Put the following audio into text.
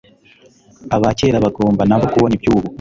aba kera bagomba nabo kubona iby'ubu